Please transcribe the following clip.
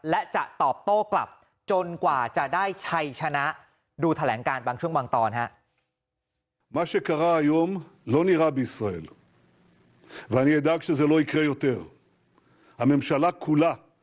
และจะตอบโตกลับจนกว่าจะได้ชัยชนะ